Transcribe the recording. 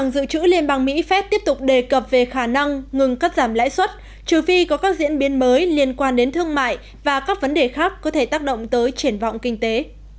bộ tư pháp tiếp tục đề cập về khả năng ngừng cắt giảm lãi suất trừ phi có các diễn biến mới liên quan đến thương mại và các vấn đề khác có thể tác động tới triển vọng kinh tế